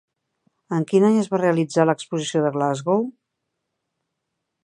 En quin any es va realitzar l'exposició de Glasgow?